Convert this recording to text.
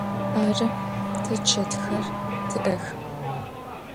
Arı, te çetxer ti'ex.